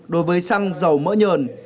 đối với xăng dầu mỡ nhờn